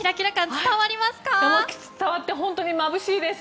伝わって本当にまぶしいです。